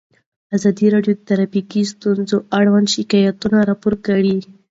ازادي راډیو د ټرافیکي ستونزې اړوند شکایتونه راپور کړي.